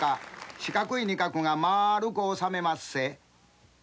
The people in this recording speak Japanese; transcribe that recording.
四角い仁鶴がまるく収めまっせ。